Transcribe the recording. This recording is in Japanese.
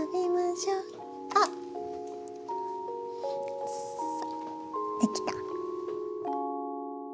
さっできた。